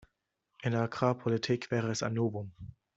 In der Agrarpolitik wäre es ein Novum.